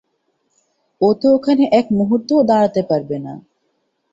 ও তো ওখানে এক মুহুর্ত ও দাঁড়াতে পারবে না।